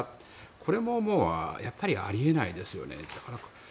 これももうやっぱりあり得ないですよね。